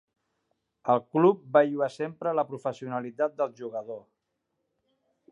El club va lloar sempre la professionalitat del jugador.